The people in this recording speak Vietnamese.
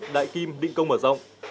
đại kim định công mở rộng